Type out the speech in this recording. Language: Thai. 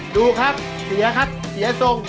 ดูครับเสียครับเสียทรง